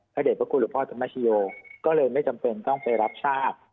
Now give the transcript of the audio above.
เด็จพระคุณหลวงพ่อธรรมชโยก็เลยไม่จำเป็นต้องไปรับทราบ